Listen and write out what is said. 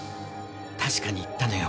確かに言ったのよ。